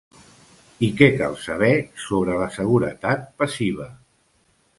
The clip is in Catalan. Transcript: I què cal saber sobre la seguretat passiva?